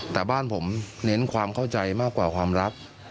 แต่บ้านผมเน้นความเข้าใจมากกว่าความรัก